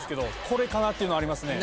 これかなっていうのありますね。